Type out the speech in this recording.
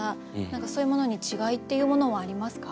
何かそういうものに違いっていうものはありますか？